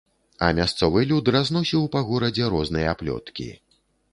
А мясцовы люд разносіў па горадзе розныя плёткі.